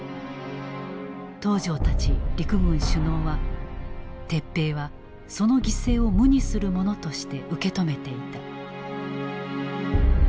東條たち陸軍首脳は撤兵はその犠牲を無にするものとして受け止めていた。